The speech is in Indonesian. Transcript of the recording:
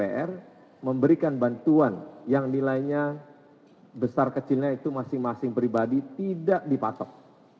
dpr memberikan bantuan yang nilainya besar kecilnya itu masing masing pribadi tidak dipatok